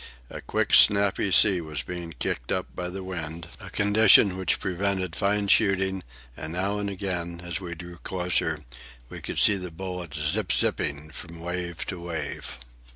A quick, snappy sea was being kicked up by the wind, a condition which prevented fine shooting; and now and again, as we drew closer, we could see the bullets zip zipping from wave to wave.